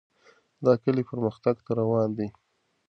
دا کلی پرمختګ ته روان دی.